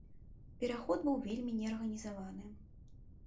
Пераход быў вельмі неарганізаваны.